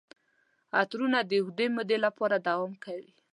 عطرونه د اوږدې مودې لپاره دوام کوي.